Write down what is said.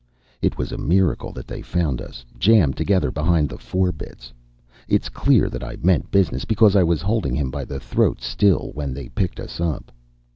It was a miracle that they found us, jammed together behind the forebitts. It's clear that I meant business, because I was holding him by the throat still when they picked us up.